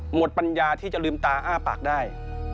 ปัญญาที่จะลืมตาอ้าปากได้